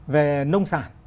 về nông sản